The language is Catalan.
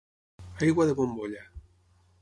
Aigua de bombolla.